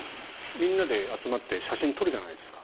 みんなで集まって写真を撮るじゃないですか。